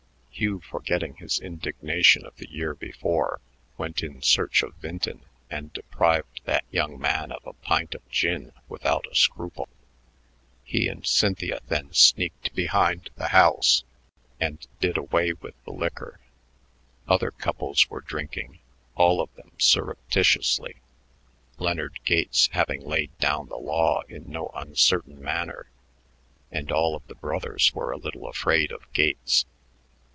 Hugh, forgetting his indignation of the year before, went in search of Vinton and deprived that young man of a pint of gin without a scruple. He and Cynthia then sneaked behind the house and did away with the liquor. Other couples were drinking, all of them surreptitiously, Leonard Gates having laid down the law in no uncertain manner, and all of the brothers were a little afraid of Gates.